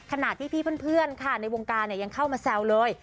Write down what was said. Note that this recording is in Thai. ขณะที่พี่เพื่อนค่ะในวงการยังเข้ามาแซวเลย